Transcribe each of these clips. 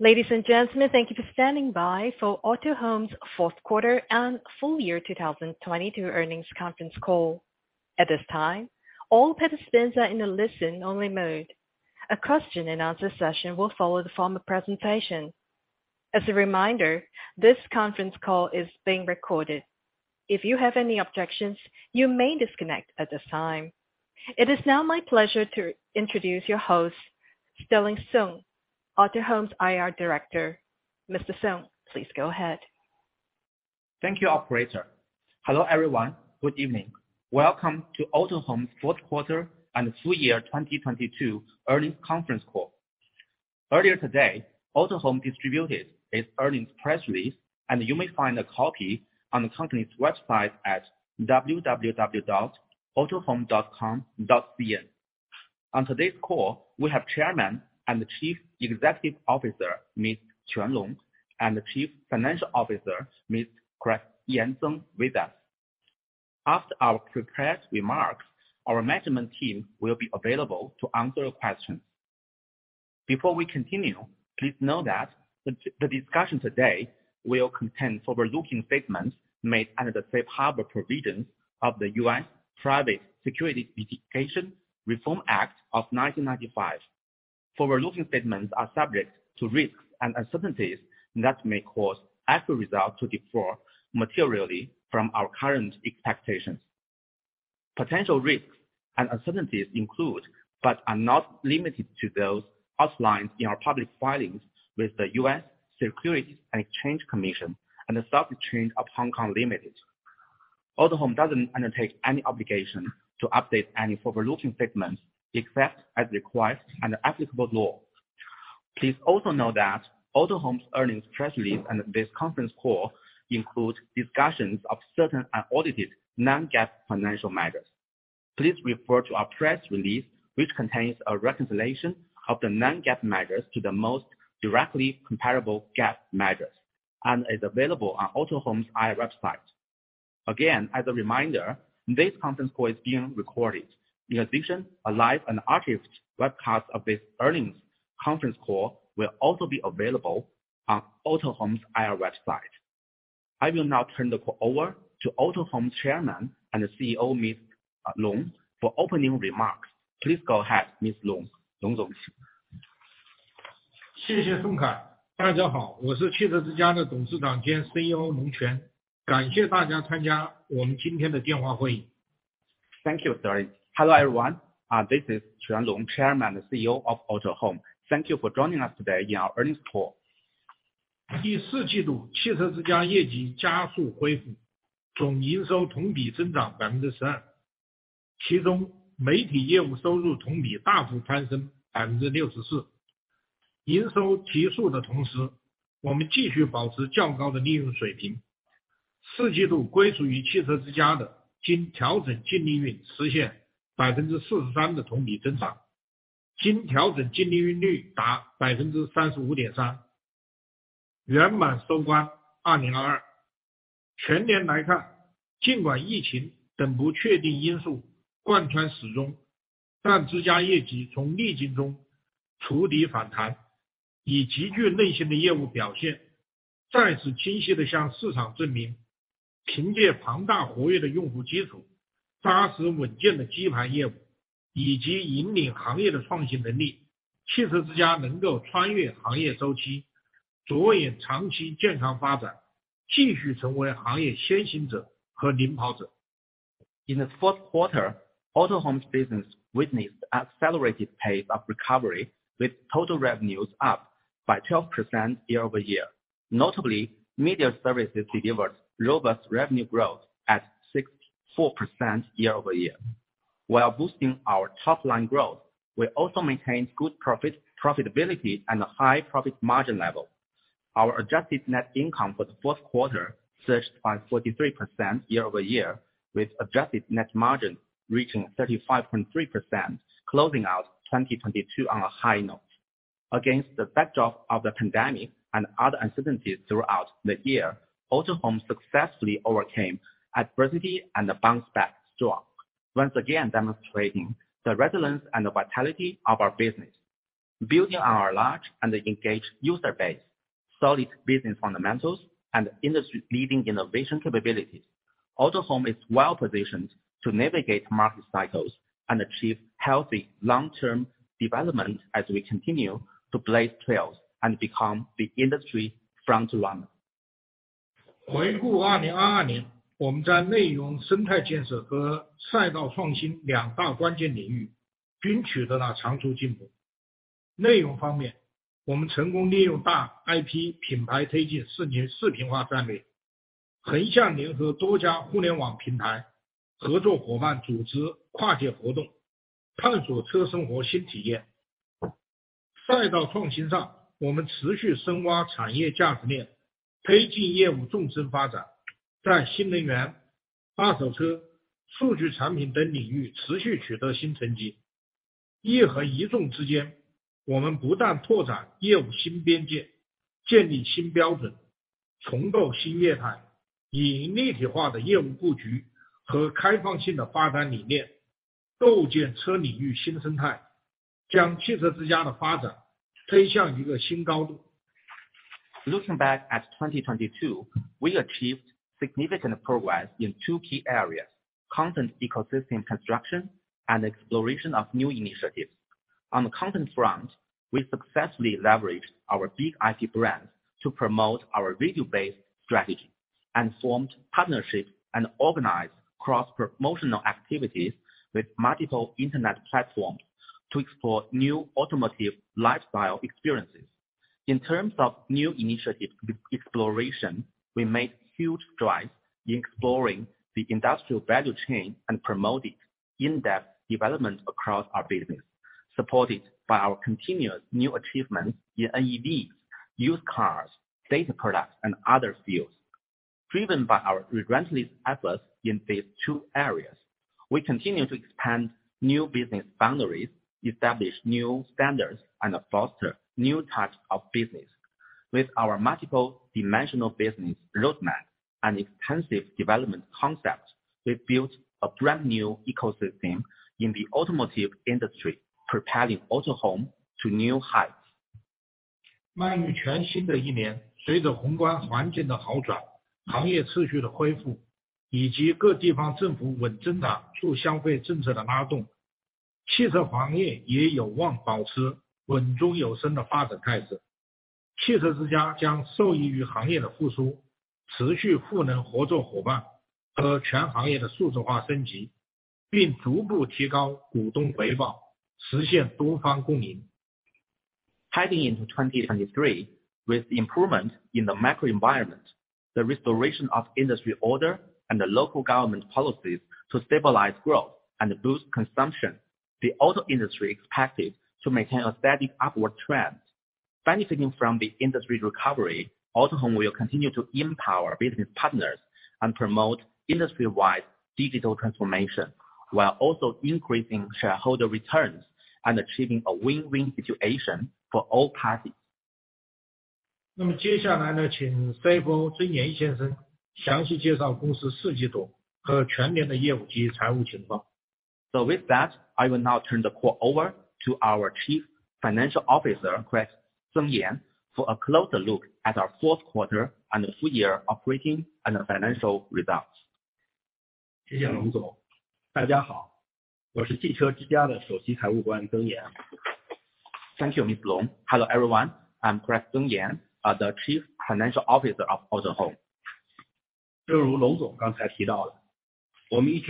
Ladies and gentlemen, thank you for standing by for Autohome's Q4 and full year 2022 earnings conference call. At this time, all participants are in a listen-only mode. A question-and-answer session will follow the formal presentation. As a reminder, this conference call is being recorded. If you have any objections, you may disconnect at this time. It is now my pleasure to introduce your host, Sterling Song, Autohome's IR director. Mr. Song, please go ahead. Thank you, operator. Hello, everyone. Good evening. Welcome to Autohome's Q4 and full year 2022 earnings conference call. Earlier today, Autohome distributed its earnings press release, and you may find a copy on the company's website at www.autohome.com.cn. On today's call, we have Chairman and Chief Executive Officer, Mr. Quan Long, and Chief Financial Officer, Mr. Craig Yan Zeng, with us. After our prepared remarks, our management team will be available to answer your questions. Before we continue, please know that the discussion today will contain forward-looking statements made under the Safe Harbor provisions of the U.S. Private Securities Litigation Reform Act of 1995. Forward-looking statements are subject to risks and uncertainties that may cause actual results to differ materially from our current expectations. Potential risks and uncertainties include, but are not limited to those outlined in our public filings with the U.S. Securities and Exchange Commission and The Stock Exchange of Hong Kong Limited. Autohome doesn't undertake any obligation to update any forward-looking statements except as required under applicable law. Please also know that Autohome's earnings press release and this conference call include discussions of certain audited non-GAAP financial measures. Please refer to our press release, which contains a reconciliation of the non-GAAP measures to the most directly comparable GAAP measures and is available on Autohome's IR website. Again, as a reminder, this conference call is being recorded. In addition, a live and archived webcast of this earnings conference call will also be available on Autohome's IR website. I will now turn the call over to Autohome Chairman and CEO, Mr. Long, for opening remarks. Please go ahead, Mr. Long. 重构新业 态， 以立体化的业务布局和开放性的发展理 念， 构建车领域新生 态， 将汽车之家的发展推向一个新高度。Thank you, Sterling. Hello, everyone. This is Quan Long, Chairman and CEO of Autohome. Thank you for joining us today in our earnings call. 回顾 2022 年，我们在两个关键领域取得了显著进展：内容生态建设和新业态探索。在内容方面，我们成功利用核心 IP 品牌推动视频化战略，并与多家互联网平台开展合作及跨界推广活动，探索全新的汽车生活方式体验。在新业态探索方面，我们在产业价值链挖掘方面取得重大突破，推动业务的深入发展，并依托在新能源车、二手车、数据产品等领域的持续新成果。在这两个领域的不懈努力驱动下，我们持续拓展业务新边界，建立新标准，培育新型业务。凭借多维度的业务布局和开放性的开发理念，我们构建了汽车行业全新的生态体系，推动汽车之家发展迈向新高度。Looking back at 2022, we achieved significant progress in two key areas: content ecosystem construction and exploration of new initiatives. On the content front, we successfully leveraged our big IP brands to promote our video-based strategy and formed partnerships and organized cross-promotional activities with multiple Internet platforms to explore new automotive lifestyle experiences. In terms of new initiative exploration, we made huge strides in exploring the industrial value chain and promoted in-depth development across our business, supported by our continuous new achievements in NEVs, used cars, data products, and other fields. Driven by our relentless efforts in these two areas, we continue to expand new business boundaries, establish new standards, and foster new types of business. With our multiple dimensional business roadmap and extensive development concepts, we built a brand-new ecosystem in the automotive industry, propelling Autohome to new heights. 迈入全新的一 年， 随着宏观环境的好 转， 行业秩序的恢 复， 以及各地方政府稳增长促消费政策的拉 动， 汽车行业也有望保持稳中有升的发展态势。汽车之家将受益于行业的复 苏， 持续赋能合作伙伴和全行业的数字化升 级， 并逐步提高股东回 报， 实现多方共赢。Heading into 2023, with improvement in the macro environment, the restoration of industry order, and the local government policies to stabilize growth and boost consumption, the auto industry expected to maintain a steady upward trend. Benefiting from the industry recovery, Autohome will continue to empower business partners and promote industry-wide digital transformation, while also increasing shareholder returns and achieving a win-win situation for all parties. 那么接下来 呢， 请 CFO 曾岩先生详细介绍公司四季度和全年的业务及财务情况。With that, I will now turn the call over to our Chief Financial Officer, Craig Yan Zeng, for a closer look at our Q4 and full year operating and financial results. 谢谢龙总。大家 好， 我是汽车之家的首席财务官曾岩。Thank you, Mr. Long. Hello everyone, I'm Chris Zeng Yan, the Chief Financial Officer of Autohome. 正如龙总刚才提到 的， 我们一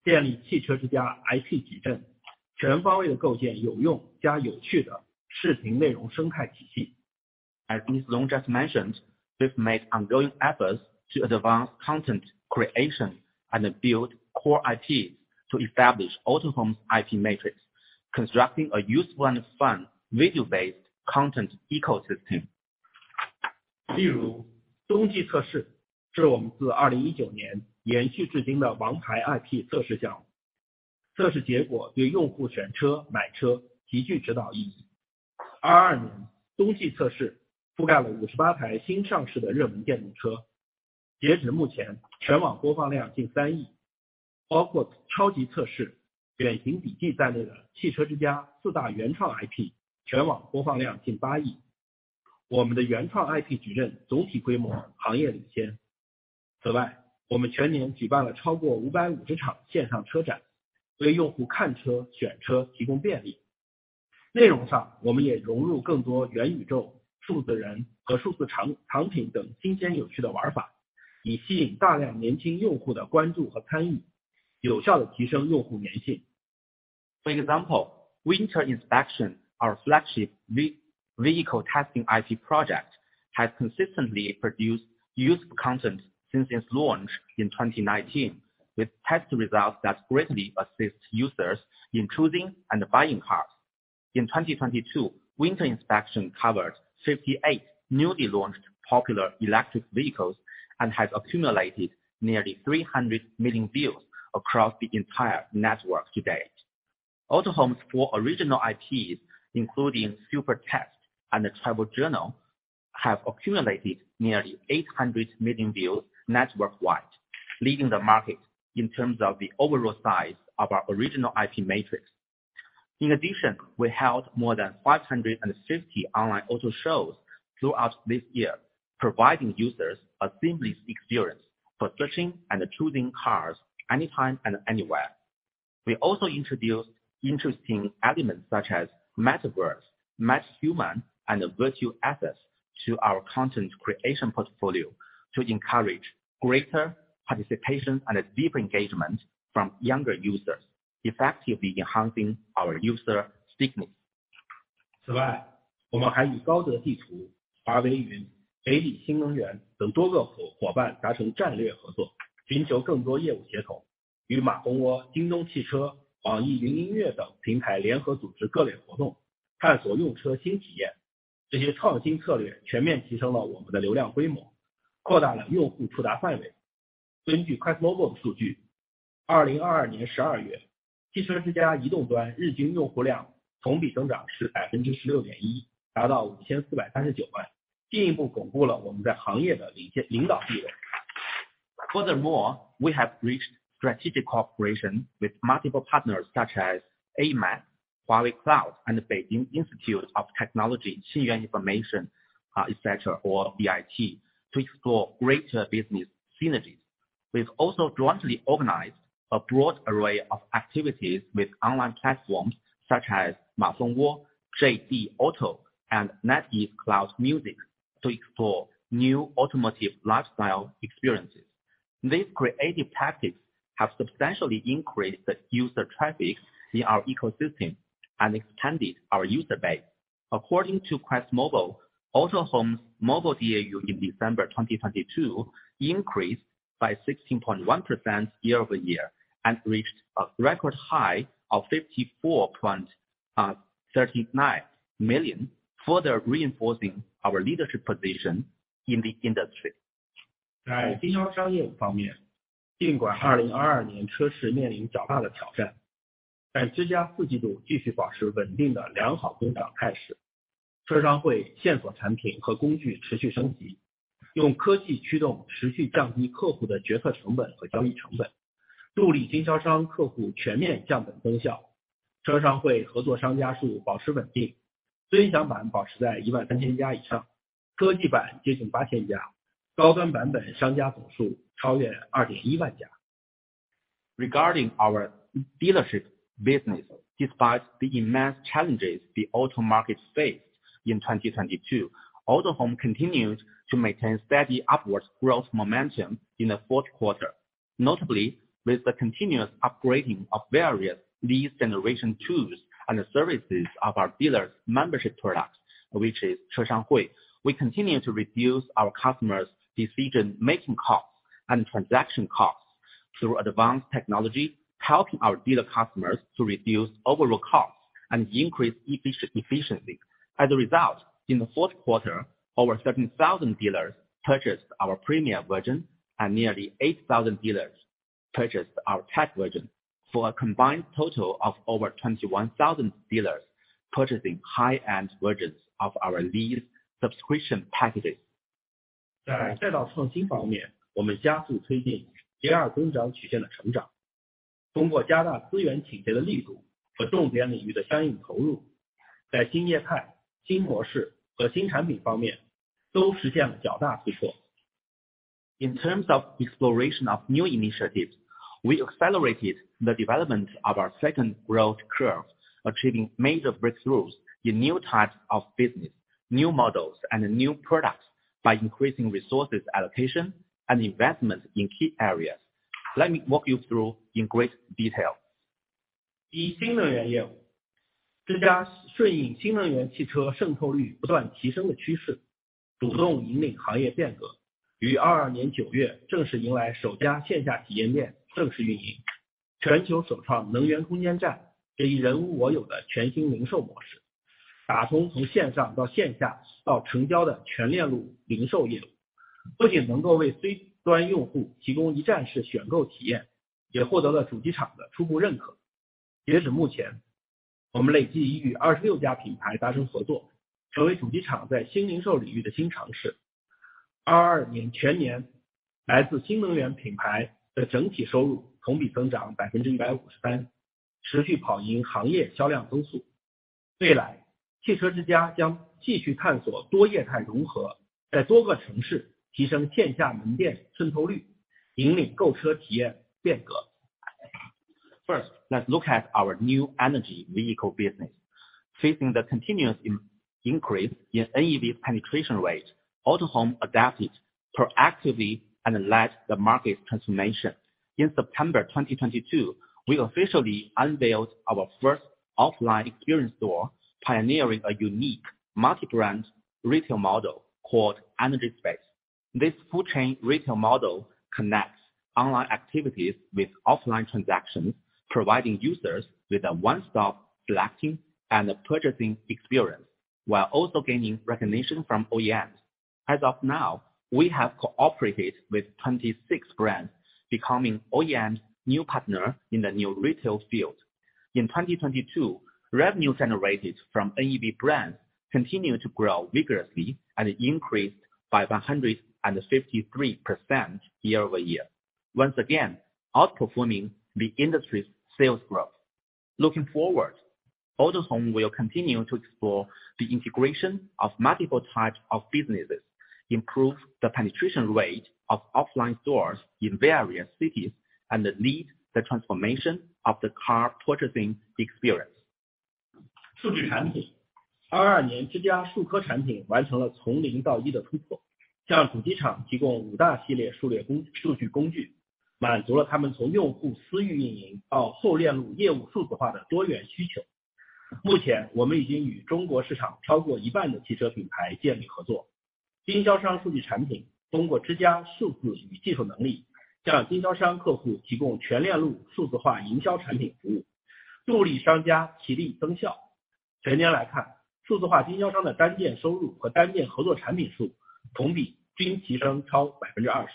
直努力深耕用户内 容， 持续打造核心 IP， 建立汽车之家 IP 矩 阵， 全方位地构建有用加有趣的视频内容生态体系。As Mr. Long just mentioned, we've made ongoing efforts to advance content creation and build core IPs to establish Autohome's IP matrix, constructing a useful and fun video-based content ecosystem. 例 如， 冬季测试是我们自2019年延续至今的王牌 IP 测试项 目， 测试结果对用户选车、买车极具指导意义。22 年冬季测试覆盖了五十八台新上市的热门电动 车， 截止目前全网播放量近三亿。包括超级测试、远行笔记在内的汽车之家四大原创 IP， 全网播放量近八亿。我们的原创 IP 矩阵总体规模行业领先。此外，我们全年举办了超过五百五十场线上车 展， 为用户看车、选车提供便利。内容 上， 我们也融入更多元宇宙、数字人和数字藏-藏品等新鲜有趣的玩 法， 以吸引大量年轻用户的关注和参 与， 有效地提升用户粘性。For example, Winter Inspection, our flagship vehicle testing IP project, has consistently produced useful content since its launch in 2019, with test results that greatly assist users in choosing and buying cars. In 2022, Winter Inspection covered 58 newly launched popular electric vehicles and has accumulated nearly 300 million views across the entire network to date. Autohome's four original IPs, including Super Test and Travel Journal, have accumulated nearly 800 million views network-wide, leading the market in terms of the overall size of our original IP matrix. We held more than 550 online auto shows throughout this year, providing users a seamless experience for searching and choosing cars anytime and anywhere. We also introduced interesting elements such as metaverse, meta-human, and virtual assets to our content creation portfolio to encourage greater participation and deeper engagement from younger users, effectively enhancing our user stickiness. 此 外, 我们还与 Amap, Huawei Cloud, 北汽新能源等多个伙伴达成战略合 作, 寻求更多业务接 口, 与 马蜂窝, 京东汽车, 网易云音乐等平台联合组织各类活 动, 探索用车新体 验. 这些创新策略全面提升了我们的流量规 模, 扩大了用户覆盖范 围. 根据 QuestMobile 的 数据，2022年12月，汽车之家 移动端日均用户量同比增长是 16.1%，达到 54.39 million，进一步巩固了我们在行业的领先领导地位。We have reached strategic cooperation with multiple partners such as Amap, Huawei Cloud, and the Beijing Institute of Technology Chuyuan Information, et cetera, or BIT, to explore greater business synergies. We've also jointly organized a broad array of activities with online platforms such as Mafengwo, JD Auto and NetEase Cloud Music to explore new automotive lifestyle experiences. These creative tactics have substantially increased the user traffic in our ecosystem and expanded our user base. According to QuestMobile, Autohome's mobile DAU in December 2022 increased by 16.1% year-over-year and reached a record high of 54.39 million, further reinforcing our leadership position in the industry. 在经销商业务方 面， 尽管二零二二年车市面临较大的挑 战， 但之家四季度继续保持稳定的良好增长态势。车商汇线索产品和工具持续升 级， 用科技驱动持续降低客户的决策成本和交易成 本， 助力经销商客户全面降本增效。车商汇合作商家数保持稳 定， 尊享版保持在一万三千家以 上， 科技版接近八千 家， 高端版本商家总数超越二点一万家。Regarding our dealership business, despite the immense challenges the auto market faced in 2022, Autohome continued to maintain steady upwards growth momentum in the Q4, notably with the continuous upgrading of various lead generation tools and services of our dealers membership product, which is CheShangHui. We continue to reduce our customers decision making costs and transaction costs through advanced technology, helping our dealer customers to reduce overall costs and increase efficiency. As a result, in the Q4, over 13,000 dealers purchased our premium version and nearly 8,000 dealers purchased our tech version for a combined total of over 21,000 dealers purchasing high-end versions of our lead subscription packages. 在赛道创新方 面， 我们加速推进第二增长曲线的成 长， 通过加大资源倾斜的力度和重点领域的相应投 入， 在新业态、新模式和新产品方面都实现了较大突破。In terms of exploration of new initiatives, we accelerated the development of our second growth curve, achieving major breakthroughs in new types of business, new models and new products by increasing resources allocation and investments in key areas. Let me walk you through in great detail. 以新能源业务，之家顺应新能源汽车渗透率不断提升的趋 势， 主动引领行业变 革， 于二二年九月正式迎来首家线下体验店正式运 营， 全球首创能源空间 站， 这一人无我有的全新零售模 式， 打通从线上到线下到成交的全链路零售业 务， 不仅能够为 C 端用户提供一站式选购体 验， 也获得了主机厂的初步认可。截止目 前， 我们累计已与二十六家品牌达成合 作， 成为主机厂在新零售领域的新尝试。二二年全 年， 来自新能源品牌的整体收入同比增长百分之一百五十 三， 持续跑赢行业销量增速。未 来， 汽车之家将继续探索多业态融 合， 在多个城市提升线下门店渗透 率， 引领购车体验变革。First, let's look at our new energy vehicle business. Facing the continuous increase in NEV penetration rate, Autohome adapted proactively and led the market transformation. In September 2022, we officially unveiled our first offline experience store, pioneering a unique multi-brand retail model called Energy Space. This full chain retail model connects online activities with offline transactions, providing users with a one stop selecting and purchasing experience while also gaining recognition from OEMs. As of now, we have cooperated with 26 brands, becoming OEM's new partner in the new retail field. In 2022, revenue generated from NEV brands continued to grow vigorously and increased by 153% year-over-year, once again outperforming the industry's sales growth. Looking forward, Autohome will continue to explore the integration of multiple types of businesses, improve the penetration rate of offline stores in various cities, and lead the transformation of the car purchasing experience. 数据产品。二二年之家数科产品完成了从零到一的突 破， 向主机厂提供五大系列数列工-数据工 具， 满足了他们从用户私域运营到后链路业务数字化的多元需求。目 前， 我们已经与中国市场超过一半的汽车品牌建立合作。经销商数据产品通过之家数据与技术能 力， 向经销商客户提供全链路数字化营销产品服 务， 助力商家提力增效。全年来 看， 数字化经销商的单店收入和单店合作产品数同比均提升超百分之二十。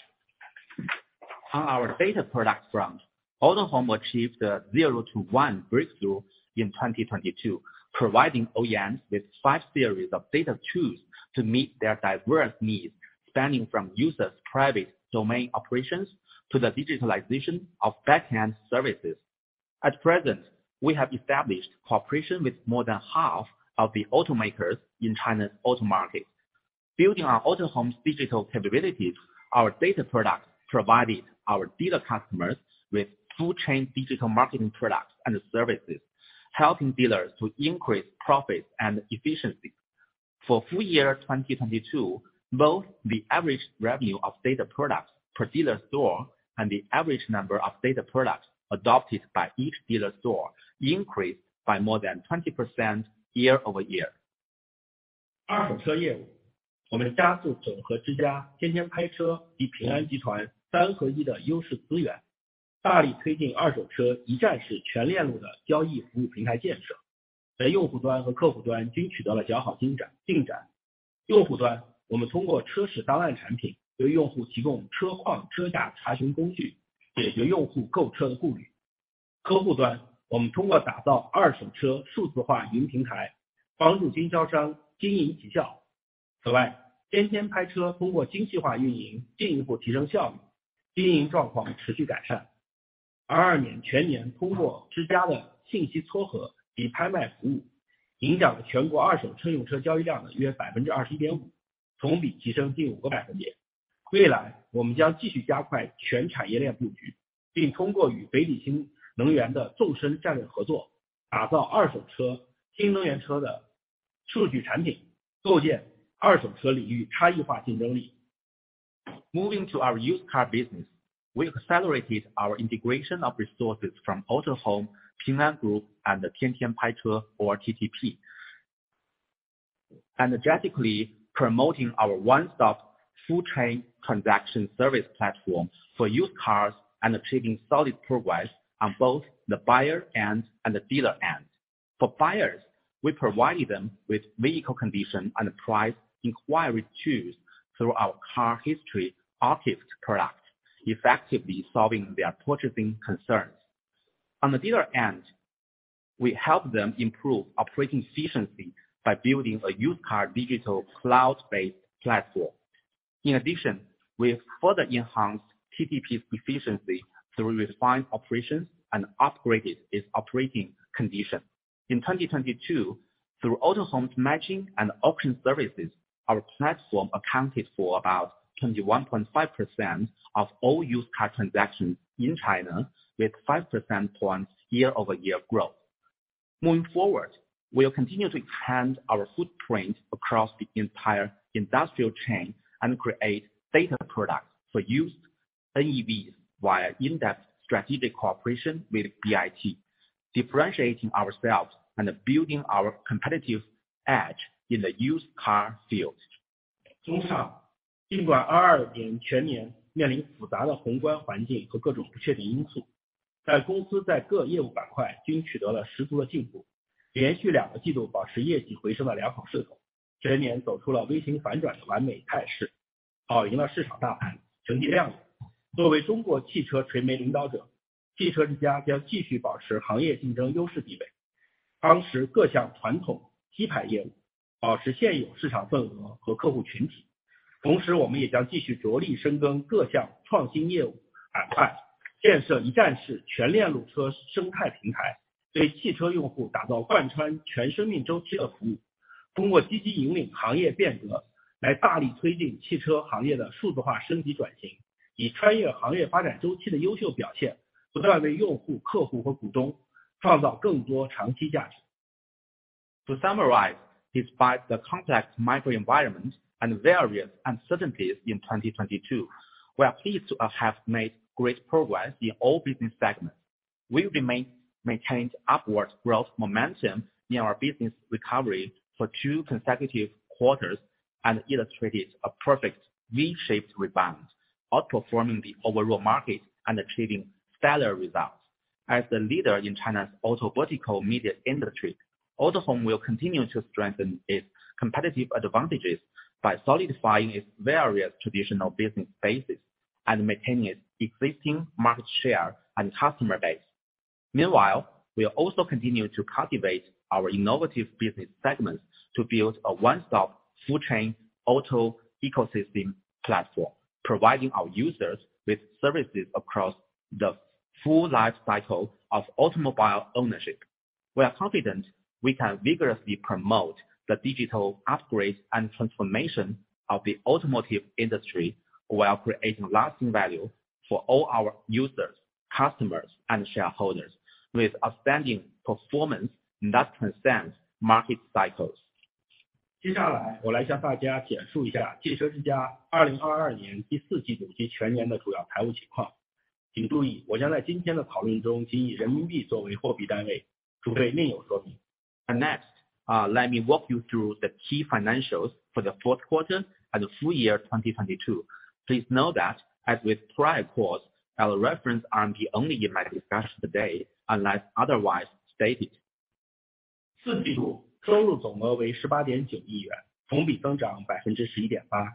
On our data product front, Autohome achieved a zero to one breakthrough in 2022, providing OEMs with five series of data tools to meet their diverse needs, spanning from users' private domain operations to the digitalization of back-end services. At present, we have established cooperation with more than half of the automakers in China's auto market. Building on Autohome's digital capabilities, our data product provided our dealer customers with full-chain digital marketing products and services, helping dealers to increase profits and efficiency. For full year 2022, both the average revenue of data products per dealer store and the average number of data products adopted by each dealer store increased by more than 20% year-over-year. 二手车业务，我们加速整合 Autohome、Tiantian Paiche 与 Ping An Group 三合一的优势资源，大力推进二手车一站式全链路的交易服务平台建设，在用户端和客户端均取得了较好进展。用户端，我们通过车史档案产品为用户提供车况车价查询工具，解决用户购车的顾虑。客户端，我们通过打造二手车数字化营平台，帮助经销商经营绩效。此外，Tiantian Paiche 通过精细化运营进一步提升效率，经营状况持续改善。2022年全年通过 Autohome 的信息撮合及拍卖服务，影响了全国二手乘用车交易量的约 21.5%，同比增长近 5 percentage points. 未来我们将继续加快全产业链布局，并通过与北汽新能源的纵深战略合作，打造二手车新能源车的数据产品，构建二手车领域差异化竞争力。Moving to our used car business. We accelerated our integration of resources from Autohome, Ping An Group and Tiantian Paiche or TTP, energetically promoting our one stop full train transaction service platform for used cars and achieving solid progress on both the buyer end and the dealer end. For buyers, we provide them with vehicle condition and price inquiry tools through our car history archives product, effectively solving their purchasing concerns. On the dealer end, we help them improve operating efficiency by building a used car digital cloud based platform. In addition, we have further enhanced TTP efficiency through refined operations and upgraded its operating condition. In 2022, through Autohome matching and auction services, our platform accounted for about 21.5% of all used car transactions in China with 5 percentage points year-over-year growth. Moving forward, we will continue to expand our footprint across the entire industrial chain and create data products for used NEVs via in-depth strategic cooperation with BIT, differentiating ourselves and building our competitive edge in the used car field. 综上，尽管二二年全年面临复杂的宏观环境和各种不确定因 素， 但公司在各业务板块均取得了十足的进 步， 连续两个季度保持业绩回升的良好势 头， 全年走出了 V 形反转的完美态 势， 好赢了市场大 盘， 成绩亮 眼. 作为中国汽车传媒领导 者， 汽车之家将继续保持行业竞争优势地 位， 夯实各项传统基盘业 务， 保持现有市场份额和客户群 体. 同 时， 我们也将继续着力深耕各项创新业务板 块， 建设一站式全链路车生态平 台， 为汽车用户打造贯穿全生命周期的服 务， 通过积极引领行业变 革， 来大力推进汽车行业的数字化升级转 型， 以穿越行业发展周期的优秀表 现， 不断为用户、客户和股东创造更多长期价 值. To summarize, despite the complex macro environment and various uncertainties in 2022, we are pleased to have made great progress in all business segments. We will remain maintained upward growth momentum in our business recovery for two consecutive quarters and illustrated a perfect V-shaped rebound, outperforming the overall market and achieving stellar results. As the leader in China's auto vertical media industry, Autohome will continue to strengthen its competitive advantages by solidifying its various traditional business bases and maintaining its existing market share and customer base. Meanwhile, we will also continue to cultivate our innovative business segments to build a one-stop full chain auto ecosystem platform, providing our users with services across the full life cycle of automobile ownership. We are confident we can vigorously promote the digital upgrades and transformation of the automotive industry while creating lasting value for all our users, customers and shareholders with outstanding performance that transcends market cycles. 接下来我来向大家简述一下汽车之家二零二二年第四季度及全年的主要财务情况。请注 意， 我将在今天的讨论中仅以人民币作为货币单 位， 除非另有说明。Next, let me walk you through the key financials for the Q4 and full year 2022. Please note that as with prior calls I will reference RMB only in my discussion today unless otherwise stated. 四季度收入总额为十八点九亿 元， 同比增长百分之十一点八。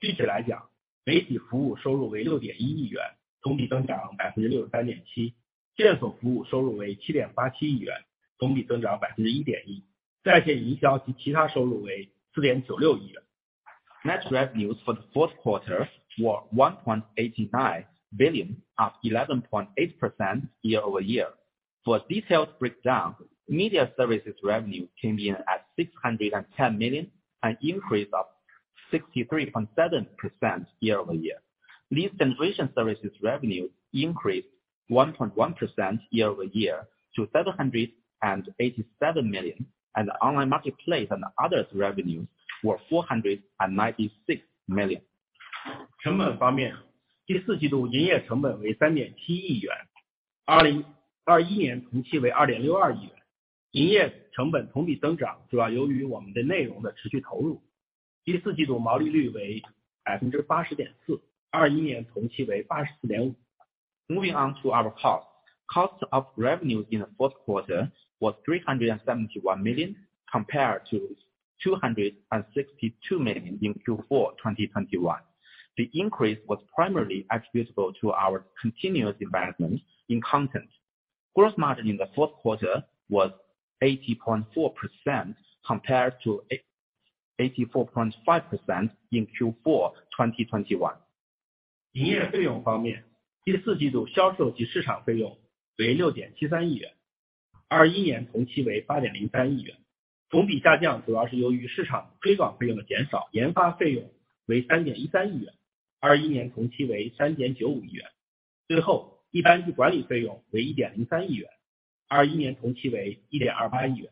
具体来 讲， 媒体服务收入为六点一亿 元， 同比增长百分之六十三点七。线索服务收入为七点八七亿 元， 同比增加百分之一点一。在线营销及其他收入为四点九六亿元。Net revenues for the Q4 were 1.89 billion, up 11.8% year-over-year. For a detailed breakdown, media services revenue came in at 610 million, an increase of 63.7% year-over-year. Lead generation services revenue increased 1.1% year-over-year to 787 million, and the online marketplace and others revenues were 496 million. 成本方 面， 第四季度营业成本为三点七亿 元， 二零二一年同期为二点六二亿元。营业成本同比增长主要由于我们的内容的持续投入。第四季度毛利率为百分之八十点 四， 二一年同期为八十四点五。Moving on to our cost. Cost of revenue in the Q4 was 371 million compared to 262 million in Q4 2021. The increase was primarily attributable to our continuous investment in content. Gross margin in the Q4 was 80.4% compared to 84.5% in Q4 2021. 营业费用方 面, 第四季度销售及市场费用为 CNY 673 million, 2021同期为 CNY 803 million. 同比下降主要是由于市场推广费用的减 少. 研发费用为 CNY 313 million, 2021同期为 CNY 395 million. 最 后, 一般性管理费用为 CNY 103 million, 2021同期为 CNY 128 million.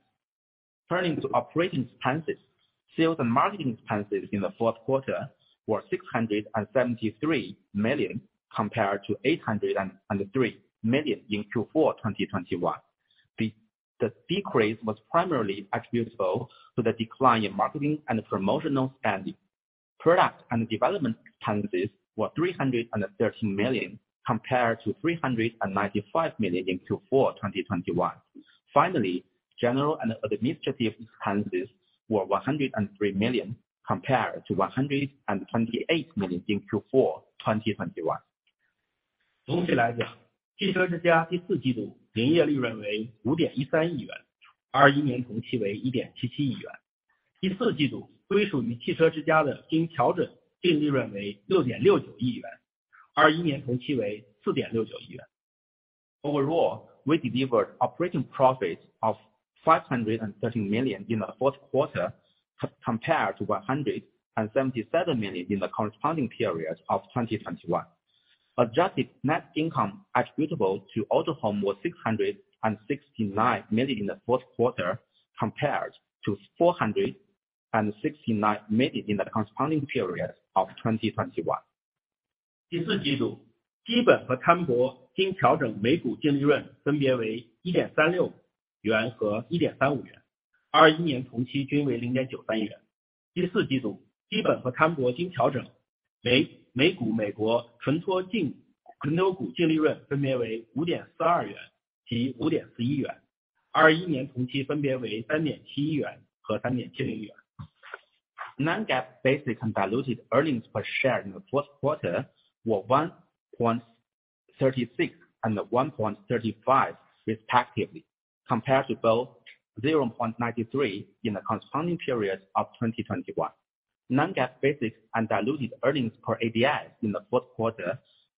Turning to operating expenses. Sales and marketing expenses in the Q4 were 673 million compared to 803 million in Q4 2021. The decrease was primarily attributable to the decline in marketing and promotional spending. Product and development expenses were 313 million compared to 395 million in Q4 2021. General and administrative expenses were 103 million compared to 128 million in Q4 2021. 总体来 讲， 汽车之家第四季度营业利润为五点一三亿 元， 二一年同期为一点七七亿元。第四季度归属于汽车之家的经调整净利润为六点六九亿 元， 二一年同期为四点六九亿元。Overall, we delivered operating profit of 513 million in the Q4 compared to 177 million in the corresponding period of 2021. Adjusted net income attributable to Autohome was 669 million in the Q4 compared to 469 million in the corresponding period of 2021. 第四季 度， 基本和摊薄经调整每股净利润分别为一点三六元和一点三五 元， 二一年同期均为零点九三元。第四季 度， 基本和摊薄经调整 每， 每股美国存托凭 证， 普通股净利润分别为五点四二元及五点四一 元， 二一年同期分别为三点七亿元和三点七零亿元。Non-GAAP basic and diluted earnings per share in the Q4 were 1.36 and 1.35 respectively compared to both 0.93 in the corresponding period of 2021. Non-GAAP basic and diluted earnings per ADS in the Q4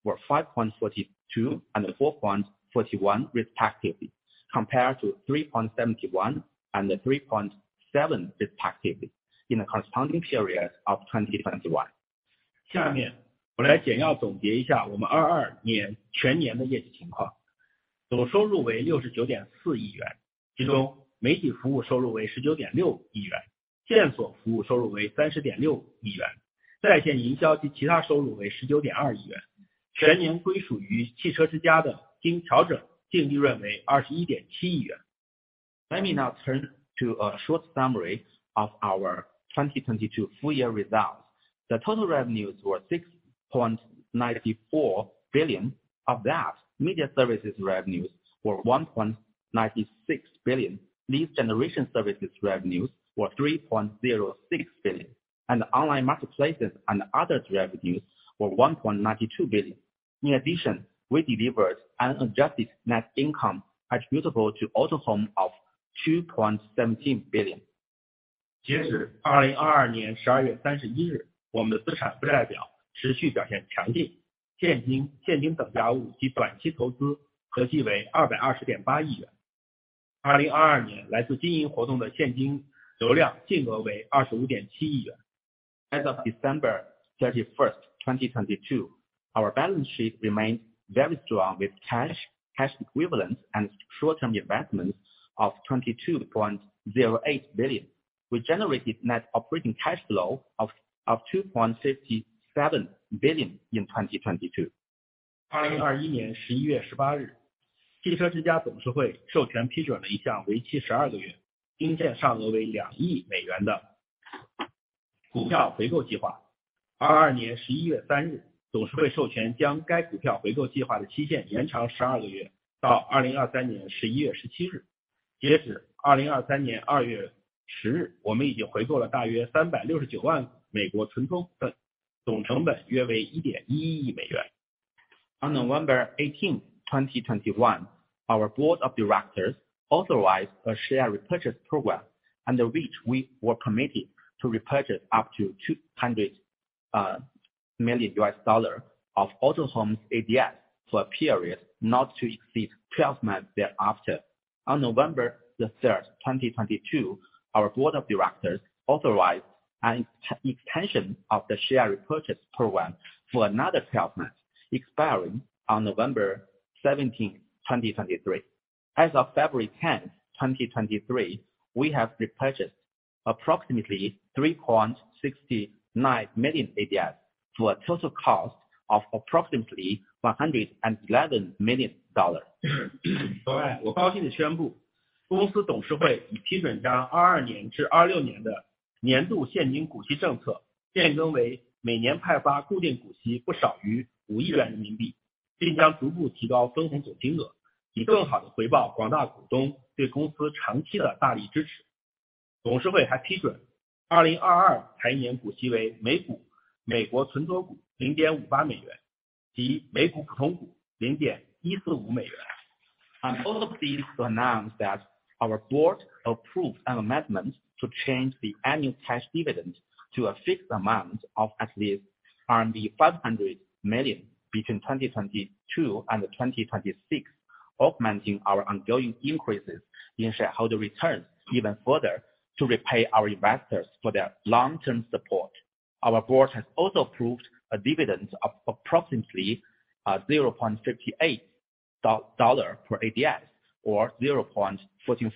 were 5.42 and 4.41 respectively compared to 3.71 and 3.7 respectively in the corresponding period of 2021. 下面我来简要总结一下我们二二年全年的业绩情况。总收入为六十九点四亿 元， 其中媒体服务收入为十九点六亿元，线索服务收入为三十点六亿 元， 在线营销及其他收入为十九点二亿 元， 全年归属于汽车之家的经调整净利润为二十一点七亿元。Let me now turn to a short summary of our 2022 full year results. The total revenues were 6.94 billion. Of that, media services revenues were 1.96 billion. Lead generation services revenues were 3.06 billion, and online marketplaces and others revenues were 1.92 billion. In addition, we delivered an adjusted net income attributable to Autohome of CNY 2.17 billion. 截止二零二二年十二月三十一 日， 我们的资产负债表持续表现强 劲， 现金、现金等价物及短期投资合计为二百二十点八亿元。二零二二年来自经营活动的现金流量净额为二十五点七亿元。As of December 31, 2022, our balance sheet remained very strong with cash equivalents and short term investments of 22.08 billion. We generated net operating cash flow of 2.67 billion in 2022. 二零二一年十一月十八 日, Autohome Inc. 董事会授权批准了一项为期12个月、兵舰上额为 $200 million 的, 股票回购计划。2022年11月3日，董事会授权将该股票回购计划的期限延长12个月，到2023年11月17日。截至2023年2月10日，我们已经回购了大约3.69 million ADS，总成本约为$110 million。On November 18, 2021, our board of directors authorized a share repurchase program under which we were committed to repurchase up to $200 million of Autohome's ADS for a period not to exceed 12 months thereafter. On November 3, 2022, our board of directors authorized an extension of the share repurchase program for another 12 months expiring on November 17, 2023. As of February 10, 2023, we have repurchased approximately 3.69 million ADS for a total cost of approximately $111 million. 我高兴地宣布，公司董事会已批准将2022年至2026年的年度现金股息政策变更为每年派发固定股息不少于RMB 500 million，并将逐步提高分红总金额，以更好地回报广大股东对公司长期的鼎力支持。董事会还批准2022财年股息为每股ADS $0.58，即每股普通股$0.145。I'm proud to announce that our board approved an amendment to change the annual cash dividend to a fixed amount of at least RMB 500 million between 2022 and 2026, augmenting our ongoing increases in shareholder returns even further to repay our investors for their long-term support. Our board has also approved a dividend of approximately $0.58 per ADS, or $0.145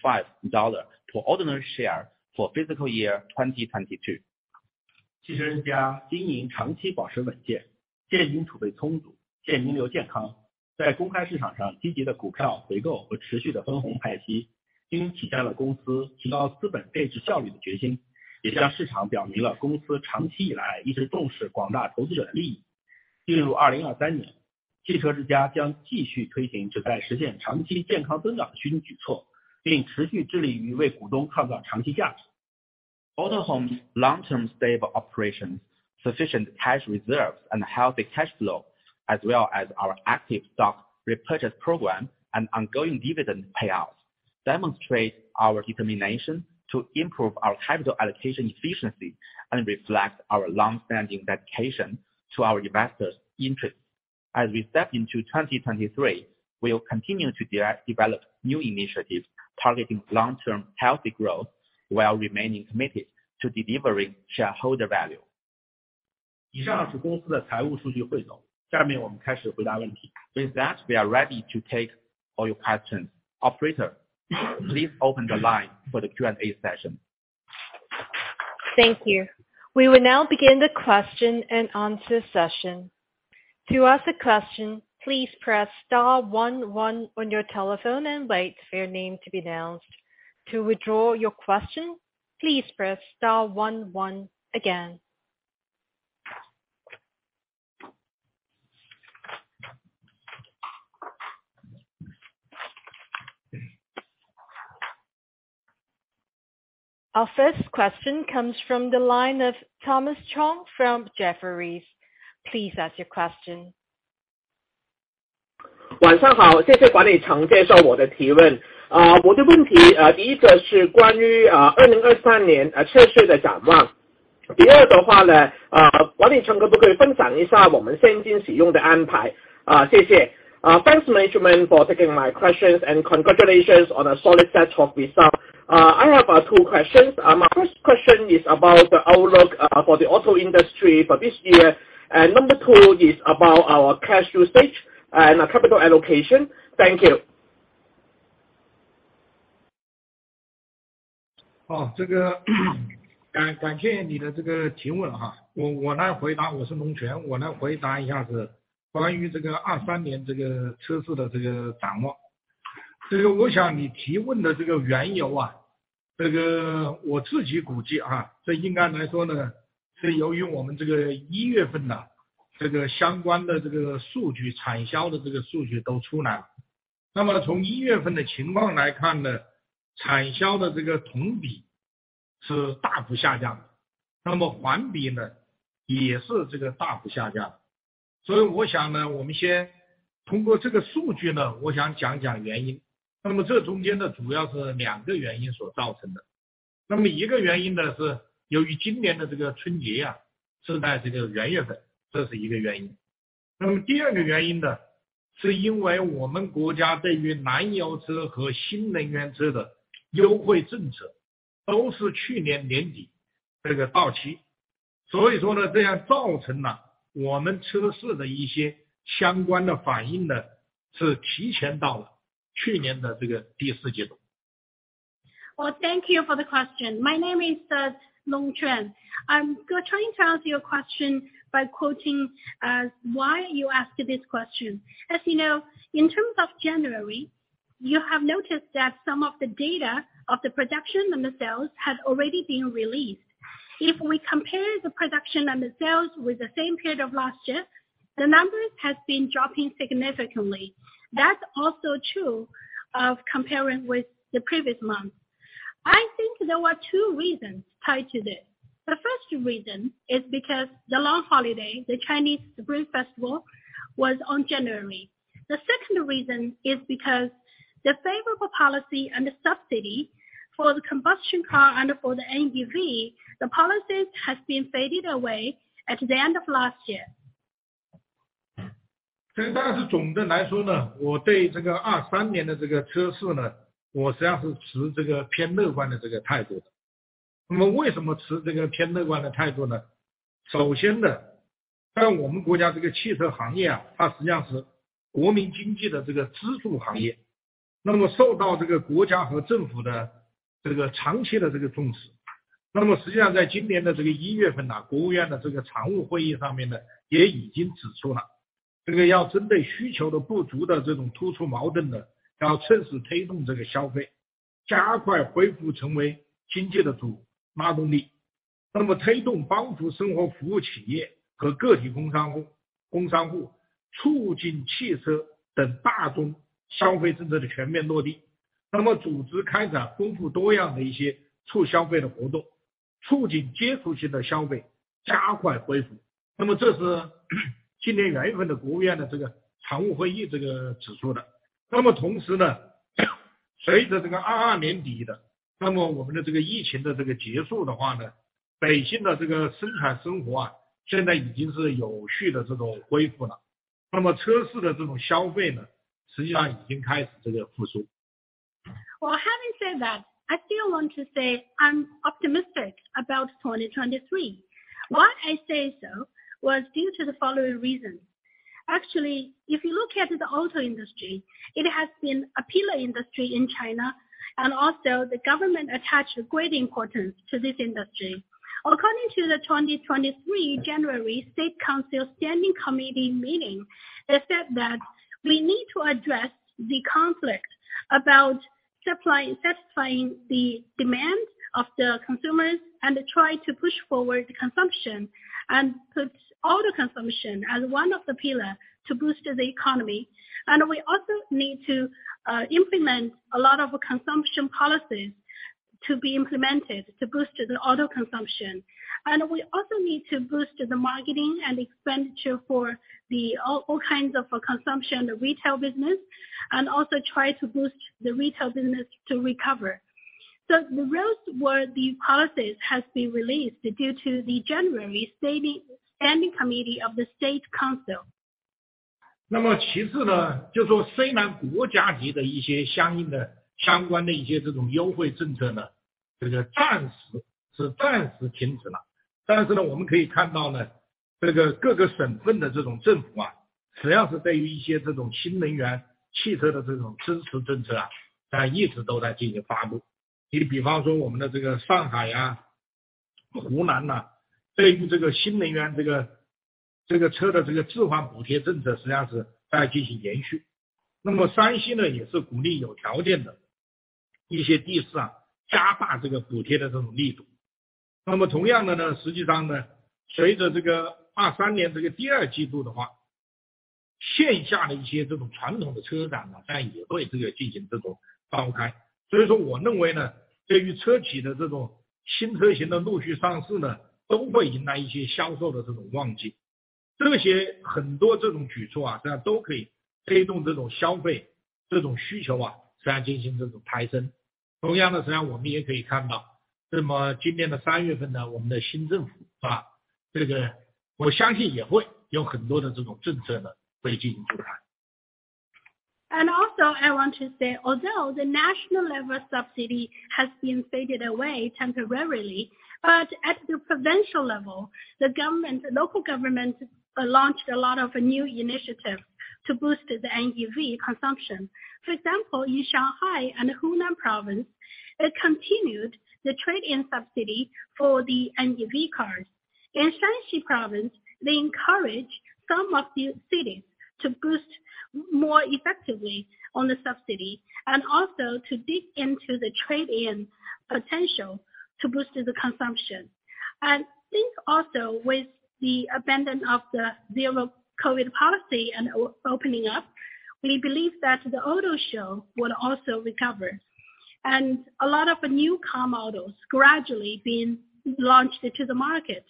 per ordinary share for fiscal year 2022. 汽车之家经营长期保持稳 健， 现金储备充 足， 现金流健康，在公开市场上积极的股票回购和持续的分红派 息， 均体现了公司提高资本配置效率的决 心， 也向市场表明了公司长期以来一直重视广大投资者的利益。进入2023 年， 汽车之家将继续推行旨在实现长期健康增长的积极举 措， 并持续致力于为股东创造长期价值。Autohome's long term stable operations, sufficient cash reserves and healthy cash flow, as well as our active stock repurchase program and ongoing dividend payouts, demonstrate our determination to improve our capital allocation efficiency and reflect our long standing dedication to our investors interest. As we step into 2023, we will continue to de-develop new initiatives targeting long term healthy growth while remaining committed to delivering shareholder value。以上是公司的财务数据汇总。下面我们开始回答问题。With that, we are ready to take all your questions. Operator, please open the line for the Q&A session. Thank you. We will now begin the question and answer session. To ask a question, please press star one one on your telephone and wait for your name to be announced. To withdraw your question, please press star one one again. Our first question comes from the line of Thomas Chong from Jefferies. Please ask your question. 晚上好，谢谢管理层接受我的提问，我的问题，第一个是关于2023年车市的展望。第二的话呢，管理层可不可以分享一下我们现金使用的安排？谢谢。Thanks management for taking my questions and congratulations on a solid set of results. I have two questions. My first question is about the outlook for the auto industry for this year. Number two is about our cash usage and capital allocation. Thank you. 好， 这个感-感谢你的这个提问哈。我-我来回 答， 我是龙 泉， 我来回答一下子。关于这个二三年这个车市的这个展 望， 这个我想你提问的这个缘由 啊， 这个我自己估计 啊， 这应该来说 呢， 是由于我们这个一月份 呐， 这个相关的这个数 据， 产销的这个数据都出来了。那么从一月份的情况来看 呢， 产销的这个同比是大幅下 降， 那么环比呢也是这个大幅下降。所以我想 呢， 我们先通过这个数据 呢， 我想讲讲原因。那么这中间 呢， 主要是两个原因所造成 的， 那么一个原因呢是由于今年的这个春节 呀， 是在这个元月 份， 这是一个原因。那么第二个原因 呢， 是因为我们国家对于燃油车和新能源车的优惠政策都是去年年底这个到期。所以说 呢， 这样造成了我们车市的一些相关的反应 呢， 是提前到了去年的这个第四季度。Well thank you for the question. My name is Quan Long. I'm trying to answer your question by quoting why you ask this question. As you know, in terms of January- You have noticed that some of the data of the production and the sales has already been released. If we compare the production and the sales with the same period of last year, the numbers has been dropping significantly. That's also true of comparing with the previous month. I think there were two reasons tied to this. The first reason is because the long holiday, the Chinese Spring Festival was on January. The second reason is because the favorable policy and the subsidy for the combustion car and for the NEV, the policy has been faded away at the end of last year. 总的来说 呢， 我对这个2023年的这个车市 呢， 我实际上是持这个偏乐观的这个态度的。为什么持这个偏乐观的态度 呢？ 首先 呢， 在我们国家这个汽车行 业， 它实际上是国民经济的这个支柱行 业， 受到这个国家和政府的这个长期的这个重视。实际上在今年的这个一月 份， State Council 的这个常务会议上面 呢， 也已经指出了这个要针对需求的不足的这种突出矛盾 呢， 要趁势推动这个消 费， 加快恢复成为经济的主拉动力。推动帮助生活服务企业和个体工商户促进汽车等大宗消费政策的全面落地。组织开展丰富多样的一些促消费的活 动， 促进接触性的消费加快恢复。这是今年一月份的 State Council 的这个常务会议这个指出的。同时 呢， 随着这个2022年底 的， 我们的这个疫情的这个结束的话 呢， 百姓的这个生产生 活， 现在已经是有序的这种恢复了。车市的这种消费 呢， 实际上已经开始这个复苏。Well, having said that, I still want to say I'm optimistic about 2023. Why I say so was due to the following reasons. Actually, if you look at the auto industry, it has been a pillar industry in China, and also the government attached great importance to this industry. According to the 2023 January State Council standing committee meeting, they said that we need to address the conflict about supply and satisfying the demand of the consumers, and try to push forward the consumption, and put auto consumption as one of the pillar to boost the economy. We also need to implement a lot of consumption policies to be implemented to boost the auto consumption. We also need to boost the marketing and expenditure for the all kinds of consumption, the retail business, and also try to boost the retail business to recover. Those were the policies has been released due to the January standing committee of the State Council. 其次 呢， 就说虽然国家级的一些相应的相关的一些优惠政策 呢， 暂时是暂时停止 了， 我们可以看到 呢， 各个省份的政 府， 实际上是对于一些新能源汽车的支持政 策， 它一直都在进行发布。你比方说我们的上 海， 湖 南， 对于新能源车的置换补贴政策实际上是还在进行延续。山西 呢， 也是鼓励有条件的一些地 市， 加大补贴的力度。同样的 呢， 实际上 呢， 随着2023年 Q2 的 话， 线下的一些传统的车展 呢， 当然也会进行放开。我认为呢，对于车企的新车型的陆续上市 呢， 都会迎来一些销售的旺季。这些很多举 措， 当然都可以推动消 费， 需求当然进行抬升。我们也可以看 到， 今年的 March 呢， 我们的新政 府， 我相信也会有很多的政策 呢， 会进行出台。Also I want to say although the national level subsidy has been faded away temporarily, at the provincial level, the government, local government, launched a lot of new initiatives to boost the NEV consumption. For example, in Shanghai and Hunan province, it continued the trade-in subsidy for the NEV cars. In Shanxi province, they encourage some of the cities to boost more effectively on the subsidy, and also to dig into the trade-in potential to boost the consumption. Think also with the abandon of the zero COVID policy and opening up, we believe that the auto show will also recover, and a lot of new car models gradually been launched to the market.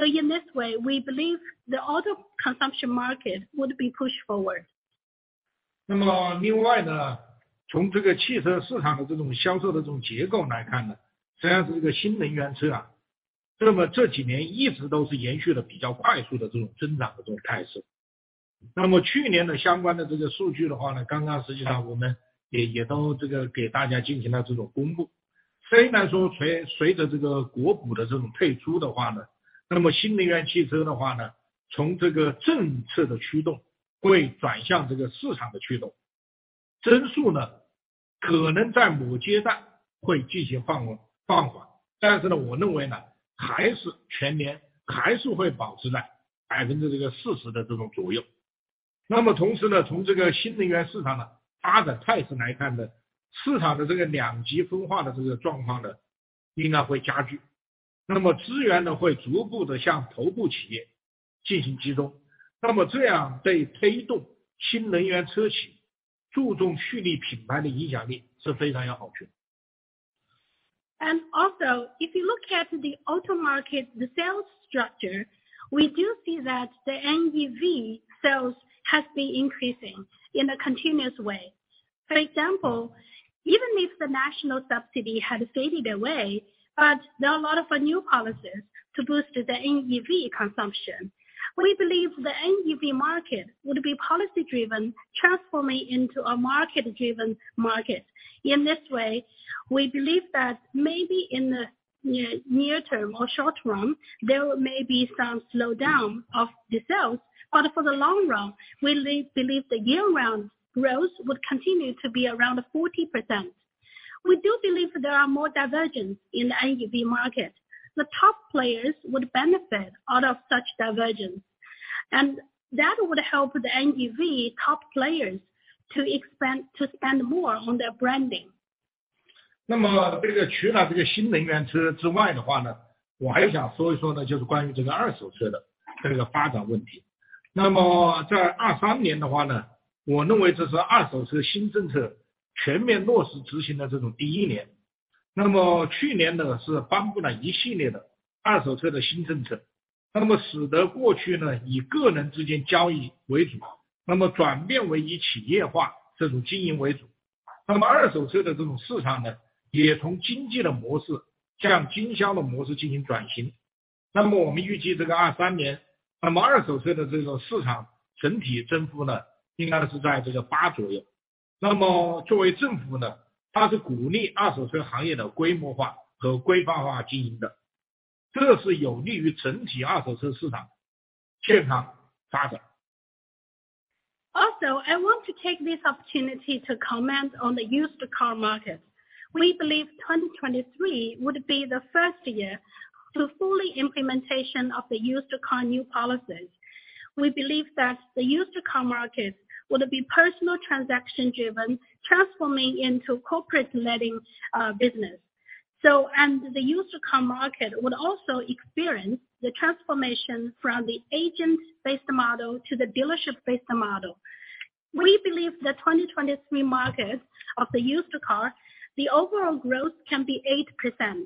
In this way, we believe the auto consumption market would be pushed forward. 那么另外 呢， 从这个汽车市场的这种销售的这种结构来看 呢， 实际上这个新能源车 啊， 那么这几年一直都是延续了比较快速的这种增长的这种态势。那么去年的相关的这个数据的话 呢， 刚刚实际上我们也都这个给大家进行了这种公布。虽然说随着这个国补的这种退出的话 呢， 那么新能源汽车的话 呢， 从这个政策的驱动会转向这个市场的驱动。增速 呢， 可能在某阶段会进行放 缓， 但是 呢， 我认为 呢， 还是全年还是会保持在 40% 的这种左右。那么同时 呢， 从这个新能源市场的发展态势来看 呢， 市场的这个两极分化的这个状况 呢， 应该会加剧。那么资源 呢， 会逐步地向头部企业进行集中，那么这样对推动新能源车企注重树立品牌的影响力是非常有好处的。If you look at the auto market, the sales structure, we do see that the NEV sales has been increasing in a continuous way. For example, even if the national subsidy had faded away, there are a lot of new policies to boost the NEV consumption. We believe the NEV market would be policy driven, transforming into a market-driven market. In this way, we believe that maybe in the near term or short term, there may be some slowdown of the sales. For the long run, we believe the year-round growth will continue to be around 40%. We do believe there are more divergence in the NEV market. The top players would benefit out of such divergence, that would help the NEV top players to expand, to spend more on their branding. 这个除了这个新能源车之外的话 呢， 我还想说一说 呢， 就是关于这个二手车的这个发展问题。在2023年的话 呢， 我认为这是二手车新政策全面落实执行的这种第一年。去年 呢， 是颁布了一系列的二手车的新政 策， 那么使得过去 呢， 以个人之间交易为 主， 那么转变为以企业化这种经营为主。二手车的这种市场 呢， 也从经济的模式向经销的模式进行转型。我们预计这个2023 年， 那么二手车的这个市场整体增幅 呢， 应该是在这个 8% 左右。作为政府呢，它是鼓励二手车行业的规模化和规范化经营 的， 这是有利于整体二手车市场健康发展。I want to take this opportunity to comment on the used car market. We believe 2023 would be the first year to fully implementation of the used car new policies. We believe that the used car market will be personal transaction driven, transforming into corporate leading business. The used car market will also experience the transformation from the agent-based model to the dealership-based model. We believe the 2023 market of the used car, the overall growth can be 8%.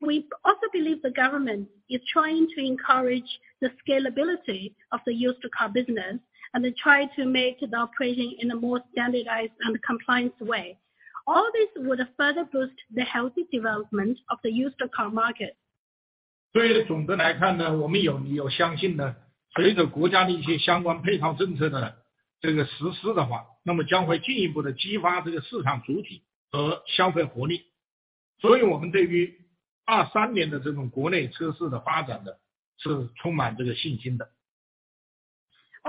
We also believe the government is trying to encourage the scalability of the used car business and try to make the operation in a more standardized and compliance way. All this would further boost the healthy development of the used car market. 总的来 看， 我们有理由相 信， 随着国家的一些相关配套政策的实 施， 那么将会进一步地激发这个市场主体和消费活力。我们对于2023年的这种国内车市的发 展， 是充